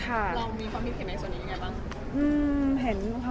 เขาออกมาค่อนข้างหนังคนละม้วน